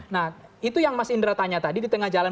nah itu yang mas indra tanya tadi di tengah jalan